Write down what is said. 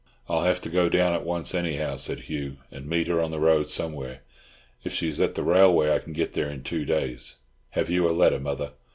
"I'll have to go down at once, anyhow," said Hugh, "and meet her on the road somewhere. If she is at the railway, I can get there in two days. Have you a letter, Mother?"